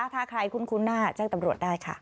ถ้าใครคุ้นหน้าแจ้งตำรวจได้ค่ะ